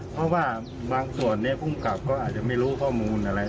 เพราะว่าบางส่วนนี้พุ่งกรรมก็อาจจะไม่รู้ข้อมูลอะไร